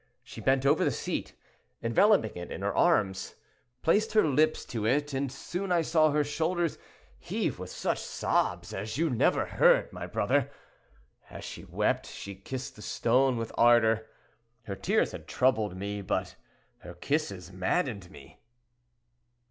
She bent over the seat, enveloping it in her arms, placed her lips to it, and soon I saw her shoulders heave with such sobs as you never heard, my brother. As she wept she kissed the stone with ardor; her tears had troubled me, but her kisses maddened me."